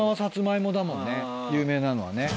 有名なのはね。